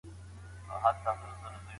د ژباړې په وخت کي د کلمو مانا لټول کېږي.